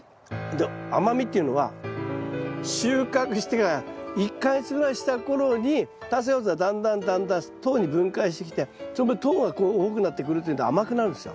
甘みっていうのは収穫してから１か月ぐらいした頃に炭水化物がだんだんだんだん糖に分解してきてその分糖が多くなってくるというんで甘くなるんですよ。